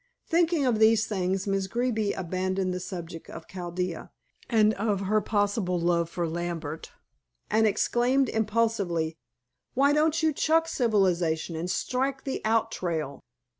Thinking of these things, Miss Greeby abandoned the subject of Chaldea, and of her possible love for Lambert, and exclaimed impulsively, "Why don't you chuck civilization and strike the out trail?"